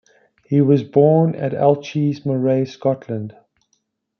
He was born at Elchies, Moray, Scotland.